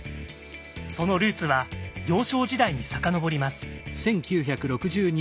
そのルーツは幼少時代に遡ります。